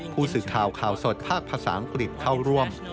ผู้สื่อข่าวข่าวสดภาคภาษาอังกฤษเข้าร่วม